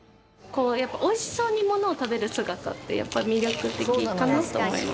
美味しそうにものを食べる姿ってやっぱ魅力的かなと思います。